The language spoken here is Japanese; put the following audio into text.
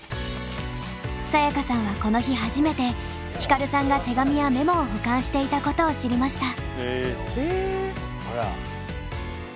サヤカさんはこの日初めてヒカルさんが手紙やメモを保管していたことを知りました。